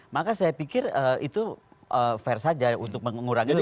maka saya pikir itu fair saja untuk mengurangi itu